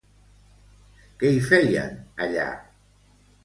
Què hi feien, allà?